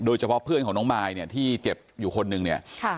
โดยเฉพาะเพื่อนของน้องมายเนี่ยที่เจ็บอยู่คนนึงเนี่ย